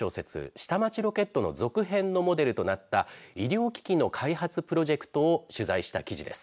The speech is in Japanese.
下町ロケットの続編のモデルとなった医療機器の開発プロジェクトを取材した記事です。